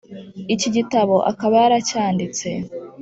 Iki gitabo akaba yaracyanditse